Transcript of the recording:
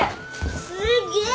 すげえ！